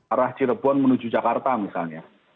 arah cirebon menuju jakarta misalnya